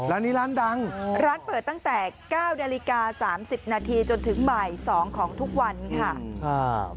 ร้านนี้ร้านดังร้านเปิดตั้งแต่๙นาฬิกา๓๐นาทีจนถึงบ่าย๒ของทุกวันค่ะ